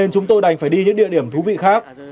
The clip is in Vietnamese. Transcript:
nên chúng tôi đành phải đi những địa điểm thú vị khác